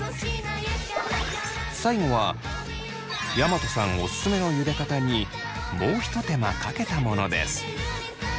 最後は大和さんおすすめのゆで方にもうひと手間かけたものです。